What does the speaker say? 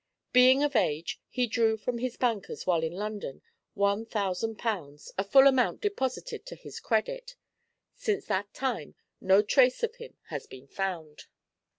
Being of age, he drew from his bankers while in London one thousand pounds, the full amount deposited to his credit; since that time no trace of him has been found.